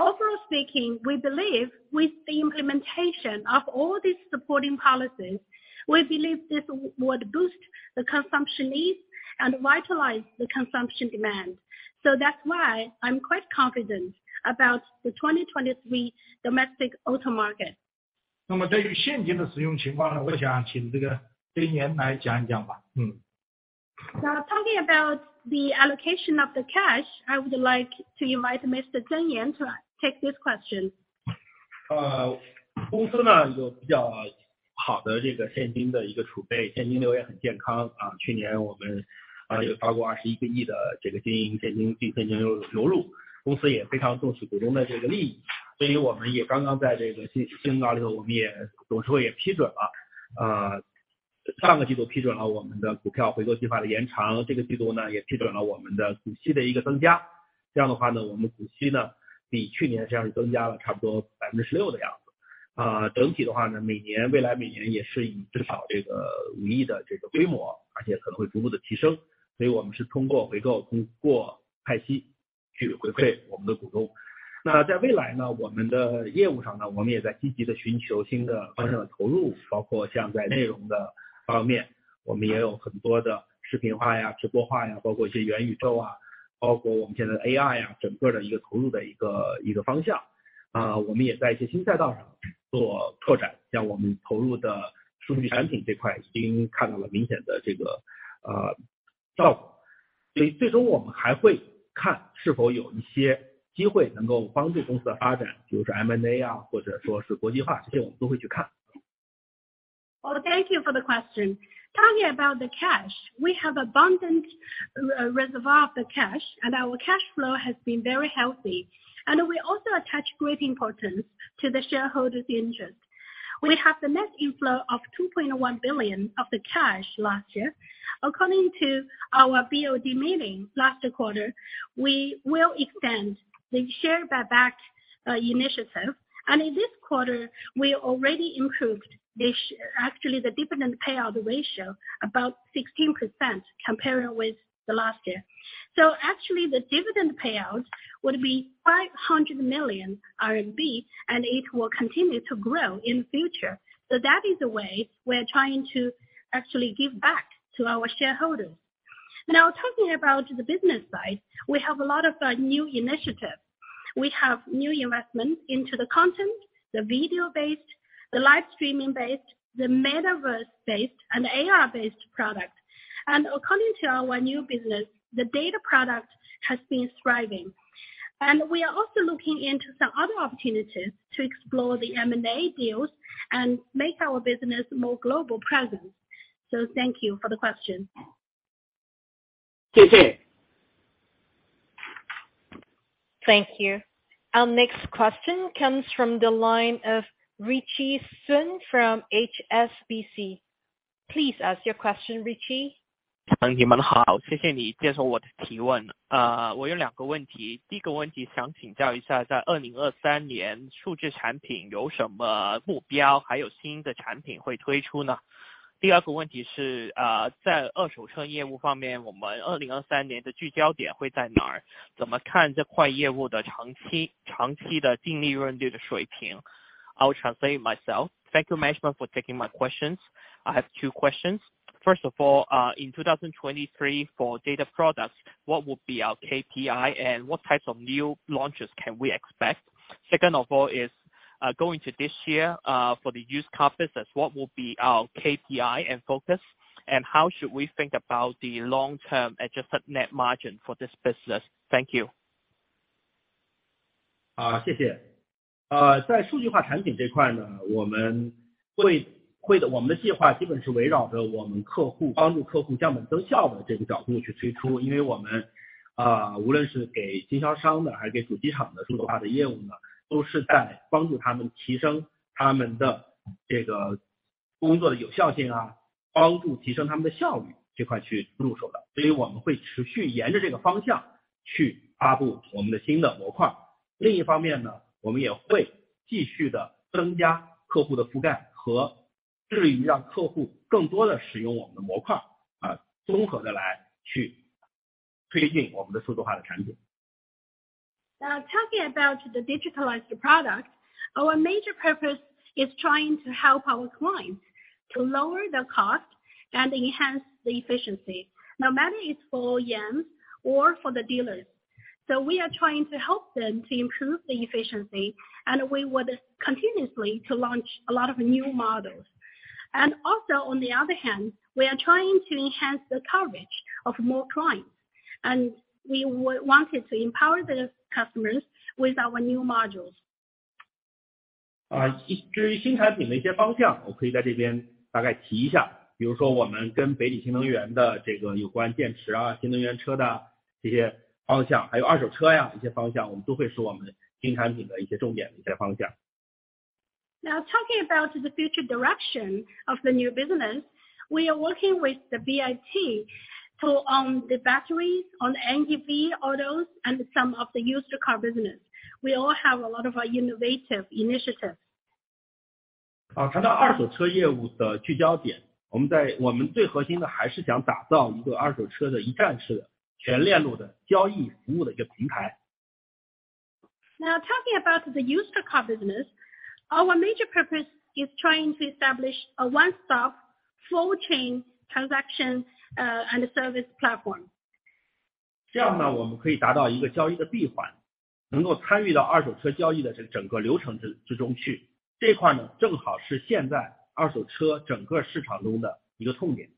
满这个信心的。Overall speaking, we believe with the implementation of all these supporting policies, we believe this would boost the consumption needs and vitalize the consumption demand. That's why I'm quite confident about the 2023 domestic auto market. 对于现金的使用情况 呢， 我想请这个曾岩来讲一讲吧。Talking about the allocation of the cash, I would like to invite Mr. Zeng Yan to take this question. 呃， 公司 呢， 有比较好的这个现金的一个储 备， 现金流也很健康。啊去年我们啊有发过二十一个亿的这个经营现金净现金 流， 流入。公司也非常重视股东的这个利 益， 所以我们也刚刚在这个 新， 新高里 头， 我们也董事会也批准 了， 呃， 上个季度批准了我们的股票回购计划的延 长， 这个季度呢也批准了我们的股息的一个增加。这样的话 呢， 我们股息呢，比去年这样增加了差不多百分之十六的样子。啊整体的话 呢， 每 年， 未来每年也是以至少这个五亿的这个规 模， 而且可能会逐步地提升。所以我们是通过回 购， 通过派息去回馈我们的股东。那在未来 呢， 我们的业务上 呢， 我们也在积极地寻求新的方向的投 入， 包括像在内容的方 面， 我们也有很多的视频化 呀， 直播化 呀， 包括一些元宇宙啊，包括我们现在 AI 呀， 整个的一个投入的一 个， 一个方向。啊我们也在一些新赛道上做拓 展， 像我们投入的数据产品这块已经看到了明显的这 个， 呃， 效果。所以最终我们还会看是否有一些机会能够帮助公司发 展， 就是 M&A 啊， 或者说是国际 化， 这些我们都会去看。Thank you for the question. Talking about the cash, we have abundant reservoir of the cash and our cash flow has been very healthy. We also attach great importance to the shareholders' interest. We have the net inflow of 2.1 billion of the cash last year. According to our BOD meeting last quarter, we will extend the share buyback initiative. In this quarter we already improved actually the dividend payout ratio about 16% compared with the last year. Actually the dividend payout will be 500 million RMB. It will continue to grow in future. That is the way we are trying to actually give back to our shareholders. Talking about the business side, we have a lot of new initiatives. We have new investment into the content, the video-based, the live streaming-based, the metaverse-based and AR-based product. According to our new business, the data product has been thriving, and we are also looking into some other opportunities to explore the M&A deals and make our business more global presence. Thank you for the question. 谢 谢. Thank you. Our next question comes from the line of Ritchie Sun from HSBC. Please ask your question, Richie. 你们 好， 谢谢你接受我的提问。我有2个问 题， 第1个问题想请教一下在2023年数据产品有什么目 标， 还有新的产品会推出 呢？ 第2个问题 是， 在二手车业务方 面， 我们2023年的聚焦点会在哪 儿？ 怎么看这块业务的长期的净利润率的水平。I'll translate myself. Thank you management for taking my questions. I have two questions. First of all, in 2023 for data products, what would be our KPI and what types of new launches can we expect? Second of all is, going to this year, for the used car business, what will be our KPI and focus, and how should we think about the long term adjusted net margin for this business? Thank you. 好， 谢谢。呃， 在数据化产品这块 呢， 我们 会， 会 的， 我们的计划基本是围绕着我们客 户， 帮助客户降本增效的这个角度去推出。因为我 们， 啊， 无论是给经销商 的， 还是给主机厂的数据化的业务 呢， 都是在帮助他们提升他们的这个工作的有效性 啊， 帮助提升他们的效率这块去入手的。所以我们会持续沿着这个方向去发布我们的新的模块。另一方面呢，我们也会继续地增加客户的覆 盖， 和致力于让客户更多地使用我们的模 块， 啊， 综合地来去推进我们的数据化的产品。Talking about the digitalized product. Our major purpose is trying to help our clients to lower the cost and enhance the efficiency, no matter it's for Autohome or for the dealers. We are trying to help them to improve the efficiency, and we would continuously to launch a lot of new models. On the other hand, we are trying to enhance the coverage of more clients, and we would wanted to empower the customers with our new modules. 新产品的一些方 向， 我可以在这边大概提一 下， 比如说我们跟北汽新能源的这个有关电 池， 新能源车的这些方 向， 还有二手车呀一些方 向， 我们都会是我们新产品的一些重点的一些方向。Now talking about the future direction of the new business. We are working with the BIT to own the batteries on NGV autos and some of the used car business. We all have a lot of innovative initiatives. 谈到二手车业务的聚焦 点， 我们在我们最核心的还是想打造一个二手车的一站式全链路的交易服务的一个平台。Now talking about the used car business. Our major purpose is trying to establish a one-stop full chain transaction, and service platform. 这样 呢， 我们可以达到一个交易的闭 环， 能够参与到二手车交易的这整个流程 之， 之中去。这一块 呢， 正好是现在二手车整个市场中的一个痛点。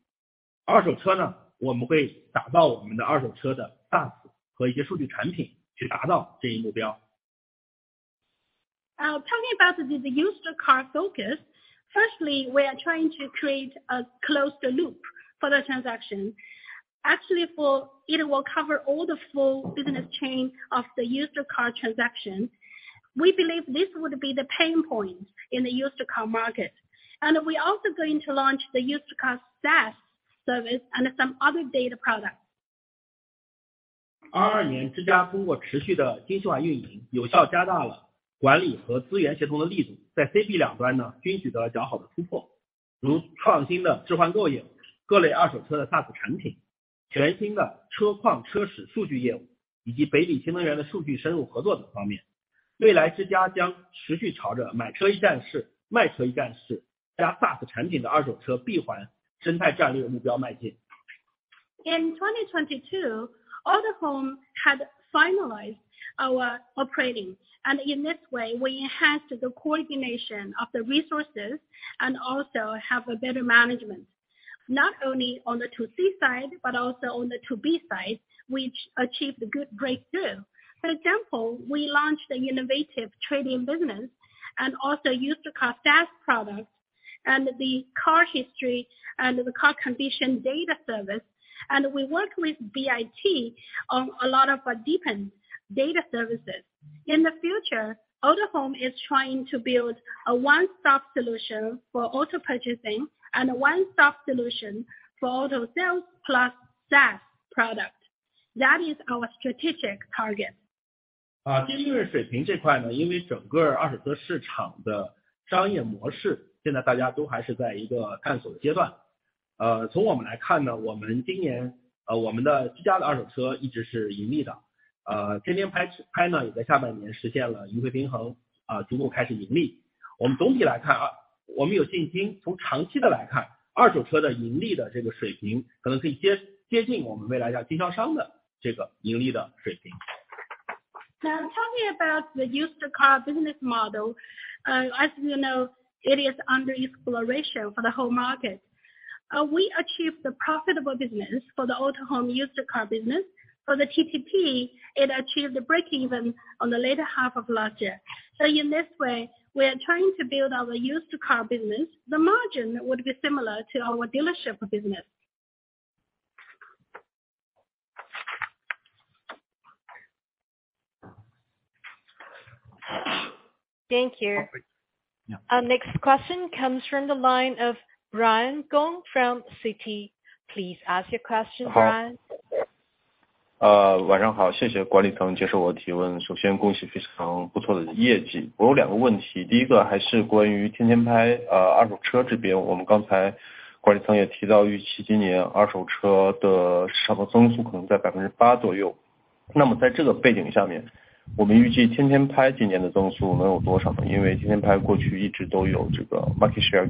二手车呢，我们会打造我们的二手车的 SaaS 和一些数据产品去达到这一目标。talking about the used car focus. Firstly, we are trying to create a closed loop for the transaction. Actually, it will cover all the full business chain of the used car transaction. We believe this would be the pain point in the used car market. We also going to launch the used car SaaS service and some other data products. 2022年 之家通过持续的精细化 运营, 有效加大了管理和资源协同的 力度. 在 CB 两端呢均取得了较好的 突破, 如创新的置换购业、各类二手车的 SaaS 产品、全新的车况车史数据 业务, 以及北汽新能源的数据深入合作等 方面. 未来之家将持续朝着买车 一站式, 卖车 一站式, 加 SaaS 产品的二手车闭环生态战略目标 迈进. In 2022, Autohome had finalized our operating. In this way, we enhanced the coordination of the resources and also have a better management not only on the 2C side, but also on the 2B side, which achieved good great deal. For example, we launched the innovative trading business and also used car SaaS products and the car history and the car condition data service. We worked with BIT on a lot of deepen data services. In the future, Autohome is trying to build a one stop solution for auto purchasing and a one stop solution for auto sales plus SaaS product. That is our strategic target. 啊， 净利润水平这块 呢， 因为整个二手车市场的商业模式现在大家都还是在一个探索阶 段呃， 从我们来看 呢， 我们今 年， 呃， 我们的第二二手车一直是盈利 的， 呃， 天天 拍， 拍呢也在下半年实现了盈亏平 衡， 啊逐步开始盈利。我们总体来看 啊， 我们有信 心， 从长期的来 看， 二手车的盈利的这个水平可能可以 接， 接近我们未来的经销商的这个盈利的水平。Now tell me about the used car business model. As we know, it is under exploration for the whole market. We achieve the profitable business for the Autohome used car business. For the TTP, it achieved the breakeven on the latter half of last year. In this way, we are trying to build our used car business. The margin would be similar to our dealership business. Thank you. Next question comes from the line of Brian Gong from Citi. Please ask your question, Brian. 好。晚上好，谢谢管理层接受我提问。首先恭喜非常不错的业绩。我有2个问题，第一个还是关于 Tiantianpai 二手车这边。我们刚才管理层也提到，预期今年二手车的市场增速可能在8%左右。那么在这个背景下面，我们预计 Tiantianpai 今年的增速能有多少呢？因为 Tiantianpai 过去一直都有这个 market share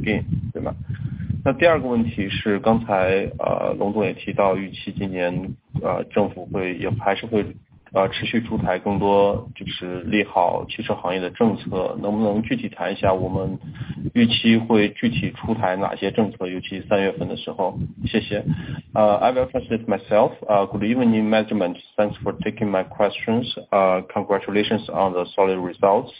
gain，对吧？第二个问题是刚才龙总也提到预期今年政府会也还是会持续出台更多就是利好汽车行业的政策，能不能具体谈一下我们预期会具体出台哪些政策，尤其3月份的时候。谢谢。I will translate myself. Good evening management. Thanks for taking my questions. Congratulations on the solid results.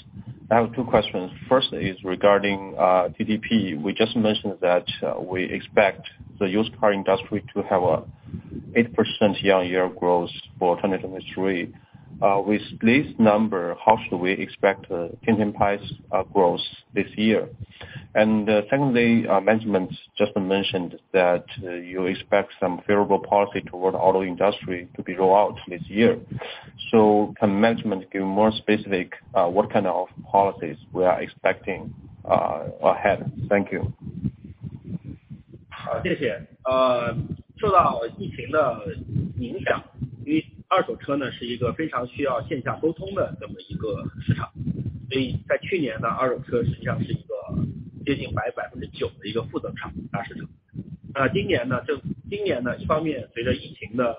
I have 2 questions. First is regarding TTP. We just mentioned that we expect the used car industry to have an 8% year-over-year growth for 2023. With this number, how should we expect Tiantianpai's growth this year? Secondly, management just mentioned that you expect some favorable policy toward auto industry to be roll out this year. Can management give more specific what kind of policies we are expecting ahead? Thank you. 好，谢谢。呃， 受到疫情的影 响， 因为二手车 呢， 是一个非常需要线下沟通的这么一个市 场， 所以在去年 呢， 二手车实际上是一个接近 百， 百分之九的一个负责场大市场。那今年 呢， 这今年呢一方面随着疫情的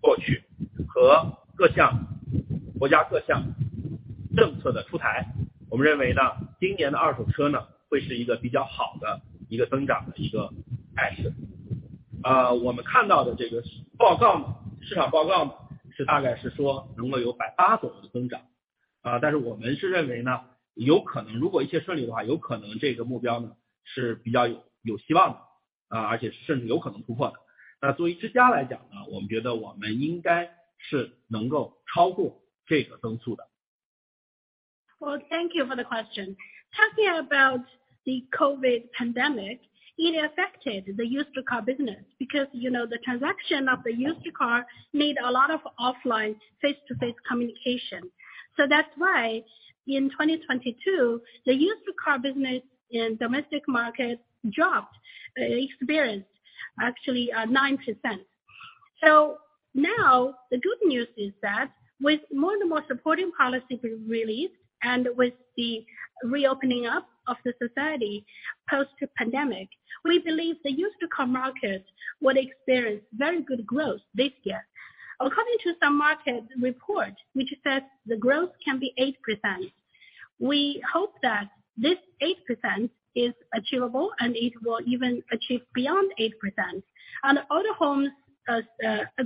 过去和各 项， 国家各项政策的出 台， 我们认为 呢， 今年的二手车 呢， 会是一个比较好的一个增长的一个开始。啊我们看到的这个报 告， 市场报告呢是大概是说能够有百八左右的增 长， 啊但是我们是认为 呢， 有可能如果一切顺利的 话， 有可能这个目标呢是比较 有， 有希望 的， 啊而且甚至有可能突破的。那作为之家来讲 呢， 我们觉得我们应该是能够超过这个增速的。Well, thank you for the question. Talking about the COVID pandemic, it affected the used car business because you know the transaction of the used car need a lot of offline face to face communication. In 2022, the used car business in domestic market dropped experienced actually 9%. The good news is that with more and more supporting policies released and with the reopening up of the society post pandemic, we believe the used car market would experience very good growth this year. According to some market report, which says the growth can be 8%, we hope that this 8% is achievable and it will even achieve beyond 8% and Autohome's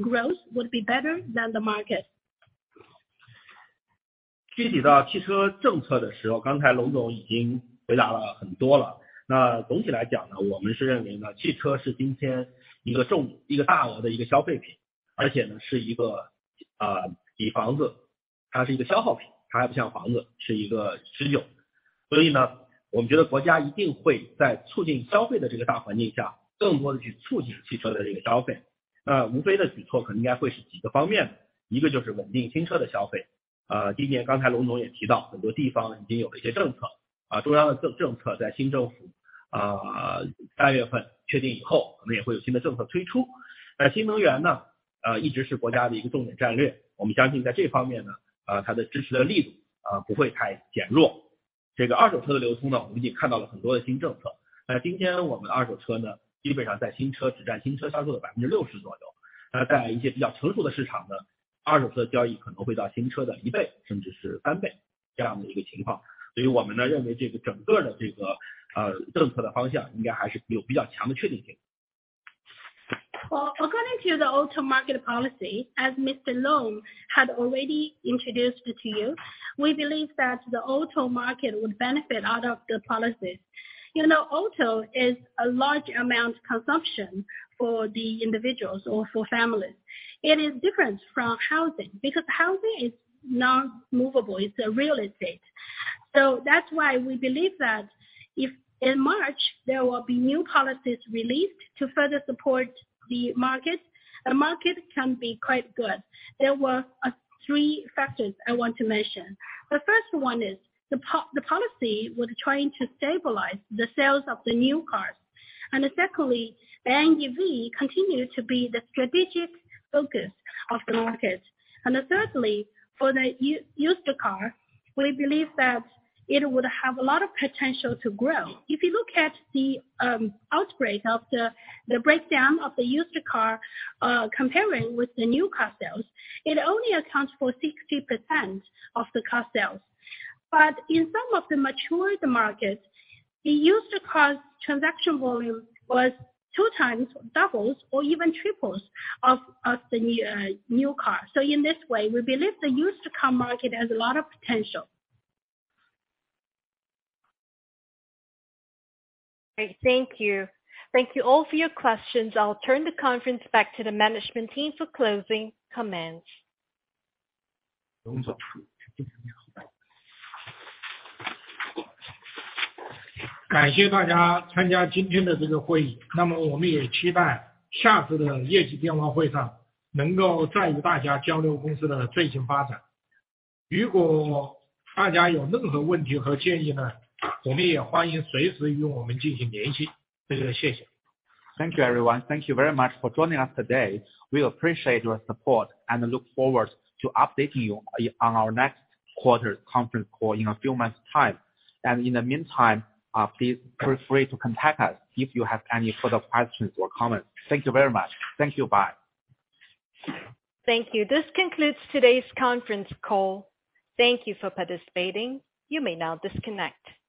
growth would be better than the market. 具体到汽车政策的时 候， 刚才龙总已经回答了很多了。总体来讲 呢， 我们是认为 呢， 汽车是今天一个 重， 一个大额的一个消费 品， 而且 呢， 是一个比房 子， 它是一个消耗 品， 它不像房子是一个持久。我们觉得国家一定会在促进消费的这个大环境 下， 更多地去促进汽车的这个消费。无非的举措可能应该会是几个方 面， one 就是稳定新车的消费。今年刚才龙总也提 到， 很多地方已经有了一些政策，中央的政策在新政 府， March 确定以 后， 可能也会有新的政策推出。新能源 呢， 一直是国家的一个重点战 略， 我们相信在这方面 呢， 它的支持的力 度， 不会太减弱。这个二手车的流通 呢， 我们已经看到了很多的新政 策， 今天我们二手车 呢， 基本上在新车只占新车销售的 60% 左 右， 在一些比较成熟的市场 呢， 二手车的交易可能会到新车的1 times 甚至是3 times 这样的一个情况。我们 呢， 认为这个整个的这个政策的方向应该还是有比较强的确定性。Well, according to the auto market policy, as Mr. Long had already introduced to you, we believe that the auto market would benefit out of the policies. You know auto is a large amount consumption for the individuals or for families. It is different from housing, because housing is not movable, it's a real estate. That's why we believe that if in March there will be new policies released to further support the market, the market can be quite good. There were three factors I want to mention. The first one is the policy would trying to stabilize the sales of the new cars. Secondly, the NEV continue to be the strategic focus of the market. Thirdly, for the used car, we believe that it would have a lot of potential to grow. If you look at the breakdown of the used car, comparing with the new car sales, it only accounts for 60% of the car sales. In some of the mature the market, the used car transaction volume was two times doubles or even triples of the new car. In this way, we believe the used car market has a lot of potential. Thank you. Thank you all for your questions. I'll turn the conference back to the management team for closing comments. Quan Long. 感谢大家参加今天的这个会 议， 那么我们也期待下次的业绩电话会上能够再与大家交流公司的最新发展。如果大家有任何问题和建议 呢， 我们也欢迎随时与我们进行联系。非常谢谢。Thank you everyone. Thank you very much for joining us today. We appreciate your support and look forward to updating you on our next quarter's conference call in a few months time. In the meantime, please feel free to contact us if you have any further questions or comments. Thank you very much. Thank you, bye. Thank you. This concludes today's conference call. Thank you for participating. You may now disconnect.